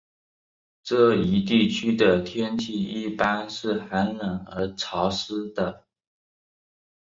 这一地区的天气一般是寒冷而潮湿的。